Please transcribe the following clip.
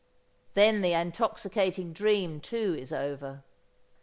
Then the intoxicating dream, too, is over.